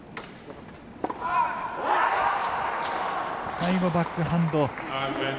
最後、バックハンド。